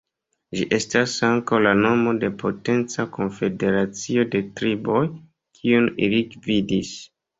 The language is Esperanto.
Ĝi estas ankaŭ la nomo de potenca konfederacio de triboj, kiun ili gvidis.